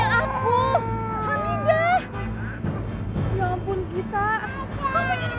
aku hamidah ya ampun kita mau jadi pengemis